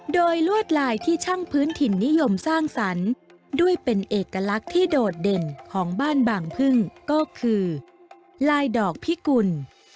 โดยลวดลายที่ช่างพื้นถิ่นนิยมสร้างสรรค์ด้วยเป็นเอกลักษณ์ที่โดดเด่นของบ้านบางพึ่งก็คือลายดอกพิกุล